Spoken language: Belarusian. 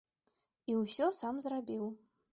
І ўсё сам зрабіў.